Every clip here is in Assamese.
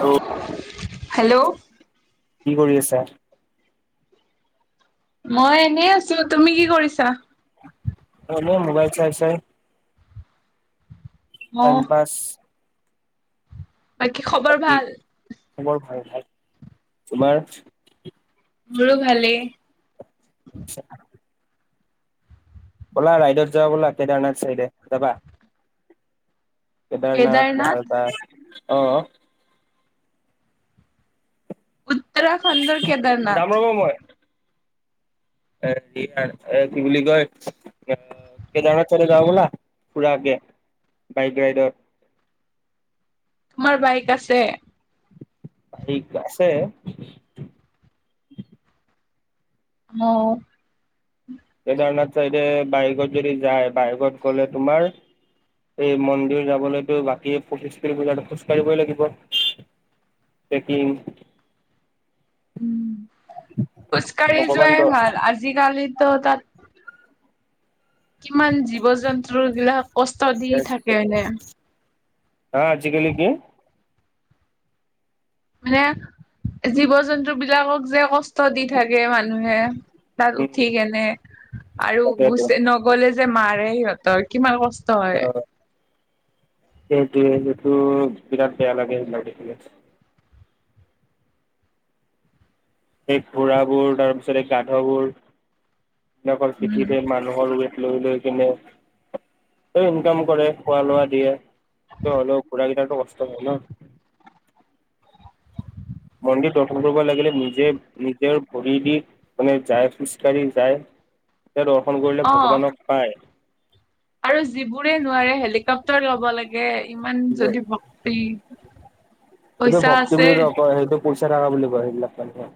হেল্ল' হেল্ল' কি কৰি আছা? মই এনেই আছো। তুমি কি কৰিছা? অ' মই মোবাইল চাই চাই অ টাইম পাছ। বাকী খবৰ ভাল? খবৰ ভাল ভাল তোমাৰ? মোৰো ভালে। নিছ ব'লা ৰাইডত যোৱা ব'লা কেদাৰনাথ চাইডে যাবা? কেদাৰনাথ মাৰদাস আহ। উত্তৰাখণ্ডৰ কেদাৰনাথ। এ এ কি বুলি কয় আহ কেদাৰনাথ চলে যওঁ বোলা পুৰা আগে বাইক ৰাইডৰ। তোমাৰ বাইক আছে? আছে। আহ। কেদাৰনাথ চাইডে বাইকত যদি যায় বাইকত গ'লে তোমাৰ এই মন্দিৰ যাবলৈতো বাকী প্ৰতিষ্ঠতি পূজাত খোজ কঢ়িবই লাগিব। পেকিং। উ খোজকাঢ়ি ভগৱান যোৱাই ভাল আজি কালিতো তাত কিমান জীৱ জন্তু বিলাক কষ্ট দি থাকে এনে। অজিকাল কি? মানে জীৱ জন্তু বিলাকক যে কষ্ট দি থাকে মানুহে। তাত উম উঠি কেনে আৰু তাকেইতো গুচ নগলে যে মাৰে সিহঁতৰ কিমান কষ্ট হয়। সেইটোৱেটো বিৰাট বেয়া লাগে সেইবিলাক দেখিলে। সেই ঘোৰা বোৰ তাৰ পিছত স গাধবোৰকল উম পিঠিতে মানুহৰ লৈ লৈ কিনে ইনকাম কৰে খোৱা লোৱা দিয়ে। হলও ঘোৰা কেইটাৰটো বস্ত হয় ন। মন্দিৰ দৰ্থন কৰিব লাগিলে নিজে নিজৰ ভৰি দি মানে যাই খোজকাাঢ়ি যায় [inaudible] তে দৰ্শন কৰিলে অ ভগৱানক পায়। আৰু যিবোৰে নোৱাৰে হেলিকপটাৰ ল'ব লাগে। ইমান যদি ভক্তি এইটো পইচা ভক্তি আছে। বুলি নকয় সেইটো পইচা থকা বুলি কয় সেইবিলা মহনুক।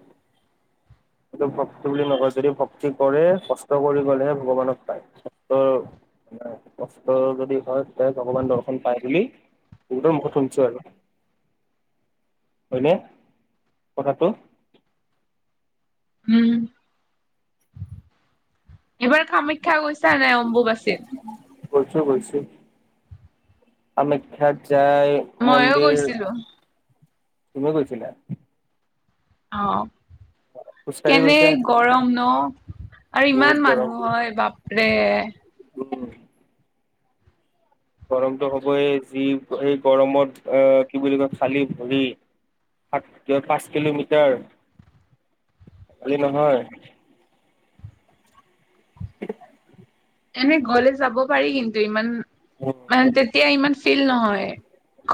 ভক্তি বুলি নকয় যদি ভক্তি কৰে কষ্ট কৰি গ'লেহে ভগৱানক পায়। কষ্ট যদি হয় তে ভগৱান দৰ্শন পায় বুলি ম গঠনছ আৰু হয়নে কথাটো। উম। এইবাৰ কামাখ্যা গৈছা নাই অম্বু বাছি? গৈছোঁ গৈছোঁ কামাখ্যা যাই মইয়ো মন্দিৰ গৈছিলো তুমি গৈছিলা? অহ। খোজকাঢ়ি কেনে গৈছা গৰম ন আৰু বহুত ইমান গৰম মানুহ হয় বাপৰে। গৰমতটো হ'বই যি এই গৰমত আহ কি বুলি কয় খালি ভৰি সাত ক পাঁচ কিলোমিটাৰ খালি নহয়। [unintelligible] এ গলে যাব পাৰি কিন্তু ইমান উম মানে তেতিয়া ইমান ফিল নহয়।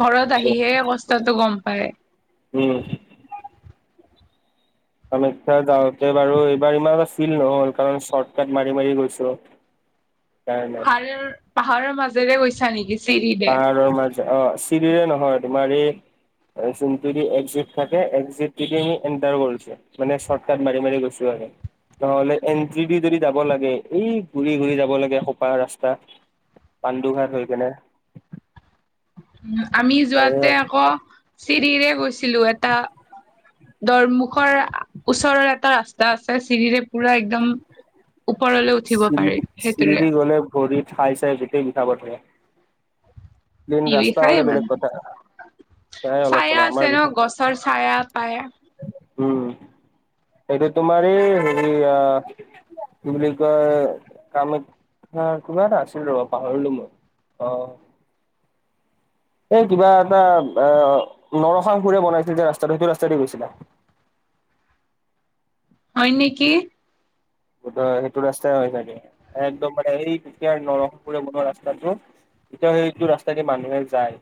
ঘৰত আহিহে কষ্টাটো গম পায়। উম। আমিয়া যাওঁতে বাৰু এইবাৰ ইমান এটা ফিল নহল কাৰণ চৰ্টকাট মাৰি মাৰি গৈছো। কাৰণে পাহাৰৰ পাহাৰৰ মাজেৰে গৈছা নেকি? চিৰিৰে পাহাৰৰ মাজে অ' চিৰিৰে নহয় তোমাৰ এই নদি এক্সিট থাকে এক্সিট আমি এণ্টাৰ কৰিছো মানে শৰ্টকাট মাৰি মাৰি গৈছো আৰু। [unintelligible] নহ'লে এণ্ট্ৰি দি যদি যাব লাগে, এই ঘূৰি-ঘূৰি যাব লাগে একখোপা ৰাস্তা। পাণ্ডুঘাট হৈ কিনে। আমি এ যোৱাতে আকৌ চিৰিৰে গৈছিলোঁ। এটা দোৱাৰমুখৰ ওচৰৰ এটা ৰাস্তা আছে, চিৰিৰে পুৰা একদম ওপৰলৈ উঠিব পাৰি সেইটোৰে চিৰি-চিৰিদি গ'লে ভৰি ঠাই-চাই গোটেই বিষাব ধৰে। ক্লিন ৰাস্তা হ'লে বেলেগ কথা। সেয়াই অলপ ছায়া চলপ আমাৰ আছে ন' বিষয়ে গছৰ ছায়া-তায়া। উম। এইটো তোমাৰ এই হেৰি আ কি বুলি কয় কামত কামাখ্যা, কিবা এটা আছিল ৰবা পাহৰিলোঁ মই। অহ। এই কিবা এটা অহ, নৰসাং সুৰে বনাইছিলে যে ৰাস্তাটো, সেইটো ৰাস্তাই দি গৈছিলা। [inaudible] হয় নেকি। সেইটো ৰাস্তাই হয় চাগে একদম মানে এই দুটা নৰসিংপুৰে বনোৱা ৰাস্তাটো। এতিয়া সেইটো ৰাস্তা দি মানুহে যায়।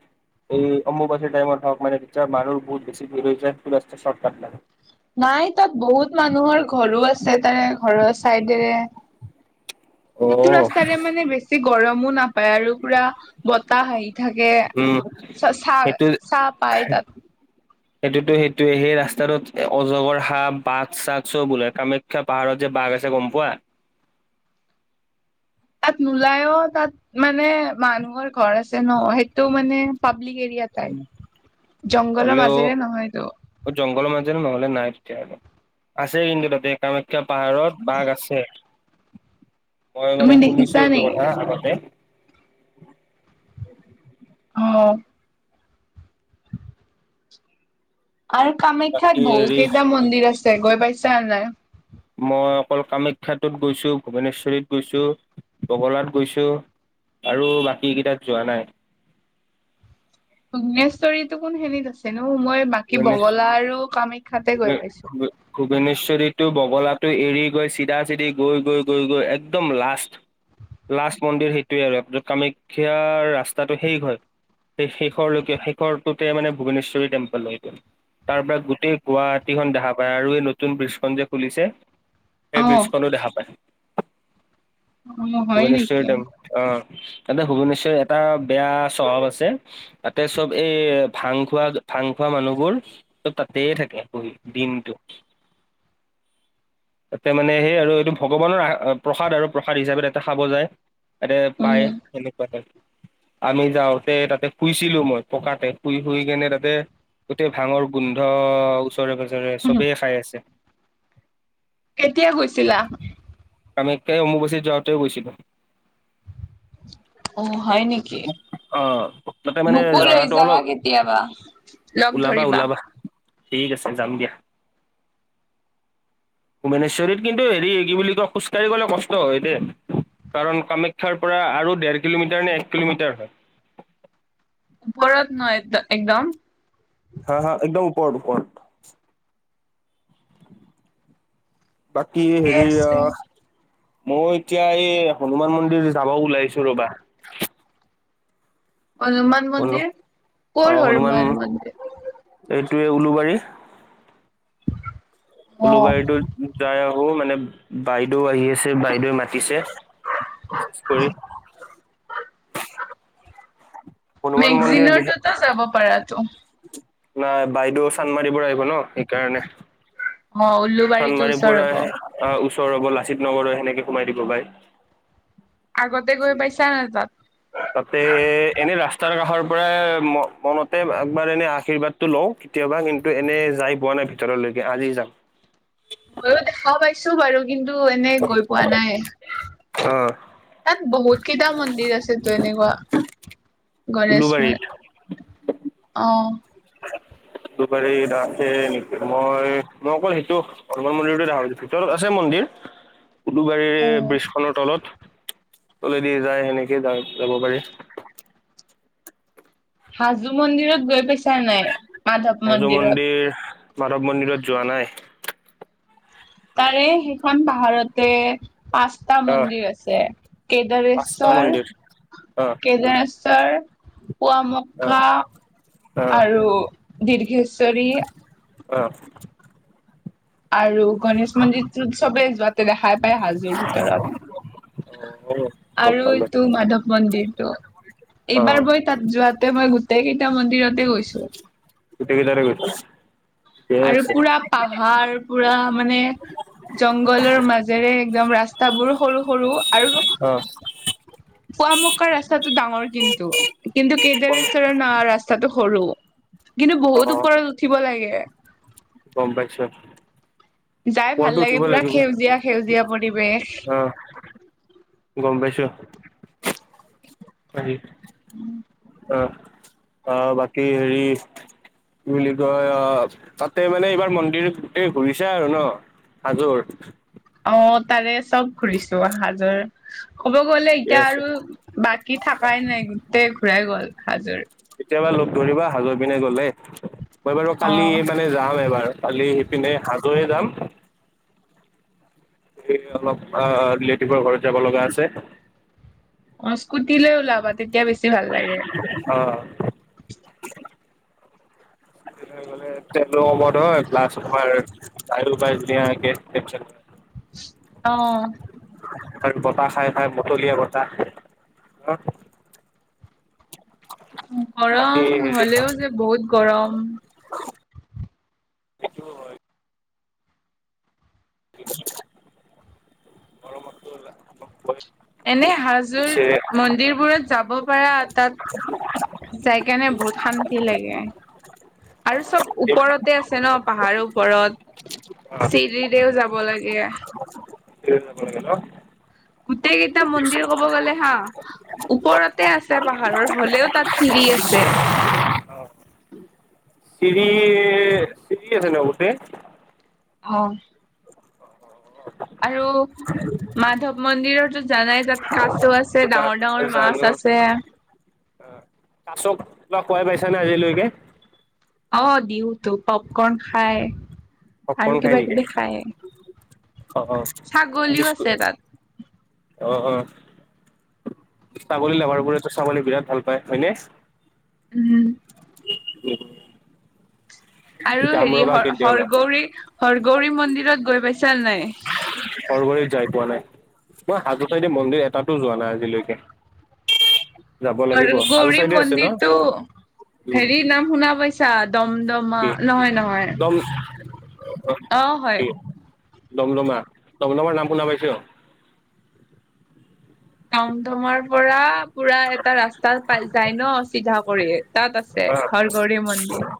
এই অম্বুবাচীৰ টাইমত হওঁক মানে যেতিয়া মানুহ বহুত বেছি ভিৰ হৈ যায়, সেইটো ৰাস্তা শৰ্টকাট লাগে। নাই তাত বহুত মানুহৰ ঘৰো আছে তাৰে ঘৰৰ চাইডেৰে অ সেইটো ৰাস্তাৰে মানে বেছি গৰমো নাপায় আৰু পুৰা বতাহ আহি থাকে উম ছা-ছা সেইটো ছাহ পায় তাত। সেইটোতো সেইটোৱে সেই ৰাস্তাটোত অজগৰ সাপ, বাঘ-চাগ চব ওলাই কামাখ্যা পাহাৰত যে। বাঘ আছে গম পোৱা? [inaudible] তাত নোলায় অহ, তাত মানে মানুহৰ ঘৰ আছে ন' সেইটো মানে পা পাব্লিক এৰিয়া টাইপ, জংঘলৰ মাজেৰে নহয়তো। তে' নহ'লে নাই তেতিয়া হ'লে। আছে কিন্তু তাতে কামাখ্যা পাহাৰত বাঘ আছে। [inaudible] মই তুমি মানে দেখিছা শুনিছোঁ এইটো নেকি? কথা আগতে। অহ। আৰু বাকী কামাখ্যাত বহু হেৰি কেইটা মন্দিৰ আছে গৈ পাইছানে নাই? মই অকল কামাখ্যাটোত গৈছোঁ, ভূৱনেশ্বৰীত গৈছোঁ, বগলাত গৈছোঁ। আৰু বাকী কেইটাত যোৱা নাই। ভুৱনেশ্বৰীতো কোনখিনিত আছে নো? মই বাকী ভূৱনেশ বগলা আৰু কামাখ্যাতে গৈ পাইছোঁ। এইটো বগলাটো এৰি গৈ চিধা-চিধি গৈ, গৈ, গৈ, গৈ, একদম লাষ্ট। লাষ্ট মন্দিৰ সেইটোৱেই আৰু তাৰপিছত কামাখ্যাৰ ৰাস্তাটো শেষ হয়। সেই শেষৰলৈকে শেষৰটোতে মানে ভূৱনেশ্বৰী টেম্পল হয়। তাৰ পৰা গোটেই গুৱাহাটীখন দেখা পায় আৰু এই নতুন ব্ৰ্ৰীজখন যে খুলিছে সেই অ', বীজখনো দেখা পায় অ', হয় ভুৱেনিশ্বৰি নেকি? টেম অহ তাতে ভুৱনেশ্বৰ এটা বেয়া চহৰ আছে, তাতে চব এই ভাং খোৱা ভাং ভাং খোৱা মানুহবোৰ চব তাতেই থাকে বহি দিনটো। তাতে মানে সেই আৰু এইটো ভগৱানৰ প্ৰসাদ আৰু প্ৰসাদ হিচাপে তাতে খাব যায়। তাতে পায় উম, সেনেকুৱা টাইপ। আমি যাওঁতে তাতে শুনিছিলো মই পকাতে শুই-শুই কেনে তাতে গোটেই ভাংৰ গোন্ধ ওচৰে পাজৰে চবেই খাই আছে। কেতিয়া গৈছিলা? কামেখ্যা অম্বুবাচিত যাওঁতেই গৈছিলোঁ। [unintelligible] অহ, হয় নেকি? অ তাতে মানে মোকো লৈ জাগাটো যাবা অলপ কেতিয়াবা। লগ ওলাবা ধৰিবা ওলাবা ঠিক আছে যাম দিয়া [unintelligible] ভূৱনেশ্বৰীত কিন্তু হেৰি কি বুলি কয় খোজকাঢ়ি গলে কষ্ট হয় কাৰণ কামাখ্যাৰ পৰা আৰু দেৰ কিলোমিটাৰ নে এক কিলোমিটাৰ হয় ওপৰত ন একদম হা হা একদম ওপৰ ওৰ বাকি ঠিকে হেৰি আ আছে। মই এতিয়া এই হনুমান মন্দিৰ যাব ওলাইছো ৰবা হনুমান মন্দিৰ অ কৰ হনুমান মন্দিৰ তে উওলুবাৰী অ', উলুবাৰীটো যাই আহো মানে বাইদেউ আহি আছে বাইদেউ মাতিছে বিশ কৰি [unintelligible] হনুমান মন্দিৰ বিশেষ মেগজনৰততো যাব পাৰাাতো নাই বাইদেউ চান্দমাৰিব আহিব ন সেইকাৰণে অ উল্লুবাৰীতো চান্মাৰীৰ ওচৰ হব পৰা ওচৰ হ'ব লাচিত নগৰ সেনেকে সোমাই দিব বাই আগতে গৈ পাইছা নাই তাত তাতে এনে ৰাস্তাৰ কাষৰ পৰা ম মনতে একবাৰ এনে আশীৰ্বাদটো লওঁ কেতিয়াবা কিন্তু এনে যাই পোৱা নাই ভিতৰলৈকে আজি যাম [unintelligible] ময়ো দেখাও পাইছো বাৰু কিন্তু এনে গৈ পোৱা নাই অ তাত বহুত কেইটা মন্দিৰ আছেতো এনেকুৱা গণেশ ম উলুবাৰীত অ [unintelligible] দুবাৰীছে নেকি মই মই অকল সেইটো হনুমান মন্দিৰটো দেখাছো ভিতৰত আছে মন্দিৰ উলু অ গাড়ীৰ ব্ৰীজখনৰ তলত তলেদি যায় সেনেকেই যা যাব পাৰি হাজো মন্দিৰত গৈ পাইছা নাই মাধৱ হাজো মন্দিৰত মন্দিৰ মাধৱ মন্দিৰত যোৱা নাই তাৰে সেইখন পাহাৰতে পাঁচটা আহ মন্দিৰ আছে পাঁচটা কেদৰেশ্বৰ মন্দিৰ আহ কেদনশৰ আহ পোৱা [inaudible] আহ আৰু দীৰ্ঘেশ্বৰী আহ আৰু গণেশ মন্দিৰটো চবেই যোৱাতে দেখাই পায় হাজোৰ ভিতৰত আৰু এইটো মাধৱ মন্দিৰটো অ এইবাৰ বৈ তাত যোৱাত মই গোটেই কেইটা মন্দিৰত গট গদাৰ [inaudible] আৰু পুৰা পাহাৰ পুৰা মানে জংঘলৰ মাজেৰে একদম ৰাস্তাবোৰ সৰু সৰু আৰু অ পুৱামক্কা ৰাস্তাটো ডাঙৰ কিন্তু কিন্তু কেইডাৰ ৰেষ্টৰে ৰাস্তাটো সৰু কিন্তু বহুত ওপৰত উঠিব লাগে বম্পেশৰ যাই ভাল লাগে পুৰা সেউজীয়া সেউজীয়া পৰিৱেশ অ [unintelligible] পাৰি উম অ অ বাকী হেৰি বুলি কয় অ তাতে মানে এইবাৰ মন্দিৰ গোটেই ঘূৰিছে আৰু ন হাজৰ অ' তাৰে চব ঘুৰিছো অজৰ ক'ব গ'লে ঠিকে এতিয়া আছে আৰু বাকী থাকাই নাই গোটেই ঘূৰাই গ'ল হাজৰি। কেতিয়াবা লগ ধৰিবা হাজৰি পিনে গলে মই বাৰু কালি অ মানে যাম এবাৰ। কালি সিপিনে হাজহয় যাম। এই অলপ অ' ৰিলেটিভৰ ঘৰত যাব লগা আছে। অ' স্কুটিলৈ ওলাবা তেতিয়া বেছি ভাল লাগে। অ'। [inaudible] অ তি বতাহ খাই খাই বতলীয়া বতাহ হ। বাকী গৰম হেৰি হ'লেও যে বহুত গৰম। সেইটো হয়। মৰ মত। এনে হাজোৰ মন্দিৰবোৰত যাব পৰা তাত সেইকাৰণে বহুত শান্তি লাগে। আৰু চ'ব ওপৰতে আছে ন পাহাৰৰ ওপৰত। চিৰিদেও যাব লাগে। স বাগে ন। গোটেই কেইটা মন্দিৰ ক'ব গ'লে হা ওপৰতে আছে পাহাৰৰ হলেও তাত চিৰি আছে। চিৰি চিৰি আছে ন গোটেই। অ'। আৰু মাধৱ মন্দিৰতো জানাই তাত কাছো আছে জান ডাঙৰ ডাঙৰ মাছ আছে। অ' কাছক ল খোৱাই পাইছ নে আজিলৈকে? অ' দিওতো পপকন খায় আৰু পপকৰ্ন খাই কিবা নেকি কিবি খায়। অ' অ' বি ছাগলীও আছে তাত অ' অ'। ছাগলী লাভাৰবোৰেতো ছাগলী বিৰাট ভাল পায় হয়নে। উম, হম। উম। আৰু হেৰি হ হৰগৌৰী হৰগৌৰী মন্দিৰত গৈ পাইছা নাই? শৰগত যায় মই হাজোতাইদেৱ মন্দিৰ এটাতো যোৱা নাই আজিলৈকে। যাব আৰু লাগিব হাজো গৌৰী চাইডে আছে ন মন্দিৰতটো উম হেৰি নাম শুনা পাইছা দমদমা কি নহয় নহয় দম অ' হয়। কি দমদমা দমদমাৰ নাম শুনা পাইছো। দম ধমাৰ পৰা পুৰা এটা ৰাস্তা পাই যায় ন চিধা কৰি তাত আছে ঘৰগৰি মন্দিৰ।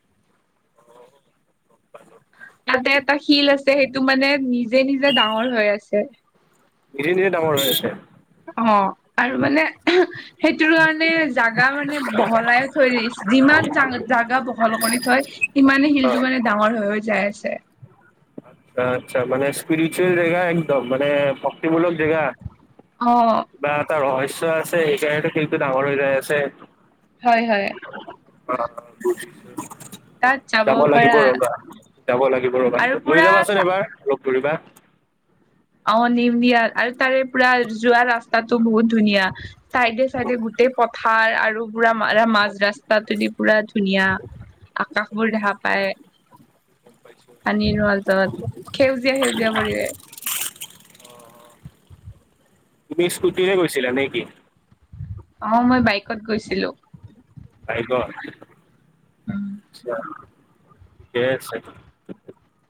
তাতে এটা শিল আছে সেইটো মানে নিজে নিজে ডাঙৰ হৈ আছে। ধিৰে ধিৰে ডাঙৰ হৈ আছে। অ' আৰু মানে সেইটোৰ কাৰণে জাগা মানে বহলাই থৈ দিছে। যিমান জ জাগা বহল কৰি থয় সিমানে অ শিলটো মানে ডাঙৰ হৈ যাই আছে। আচ্ছা মানে স্পিৰিচুৱেল জেগা একদম মানে ভক্তিমূলক জেগা। অ বা তাৰ ৰহস্য় আছে সেইকাৰণো খিলটো ডাঙৰ হৈ যায় আছে। হয় হয় অ' বুজিছোঁ। তাত যাব লাগিব পাৰা ৰবা যাব লাগিব ৰ'বা আৰু লৈ পুৰা যাবাচোন এবাৰ। কৰিবা। অ' নিউনিয়াৰ আৰু তাৰে পুৰা যোৱা ৰাস্তাতো বহুত ধুনীয়া। চাইডে চাইডে গোটেই পথাৰ আৰু পুৰা মাজ ৰাস্তা তদি পুৰা ধুনীয়া। আকাশবোৰ দেখা পায়। পানী ৰোৱাল জলত সেউজীয়া সেউজীয়া পৰিৱেশ। অ', অ'তুমি স্কুটিৰে গৈছিলা নেকি? অ' মই বাইকত গৈছিলোঁ। আছা ঠিকেই আছে।